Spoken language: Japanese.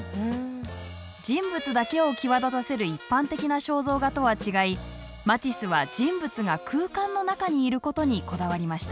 人物だけを際立たせる一般的な肖像画とは違いマティスは人物が空間の中にいることにこだわりました。